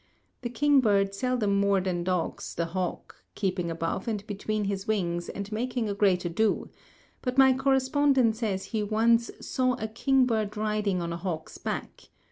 The kingbird seldom more than dogs the hawk, keeping above and between his wings and making a great ado; but my correspondent says he once "saw a kingbird riding on a hawk's back.